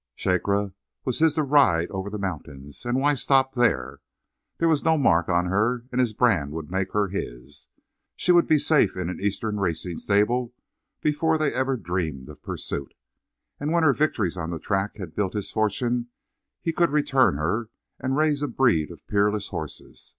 Shakra was his to ride over the mountains. And why stop there? There was no mark on her, and his brand would make her his. She would be safe in an Eastern racing stable before they even dreamed of pursuit. And when her victories on the track had built his fortune he could return her, and raise a breed of peerless horses.